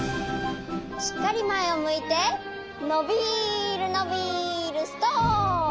しっかりまえをむいてのびるのびるストップ！